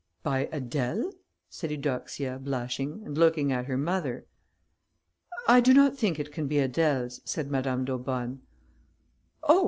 "By Adèle?" said Eudoxia, blushing, and looking at her mother. "I do not think it can be Adèle's," said Madame d'Aubonne. "Oh!